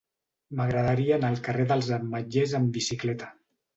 M'agradaria anar al carrer dels Ametllers amb bicicleta.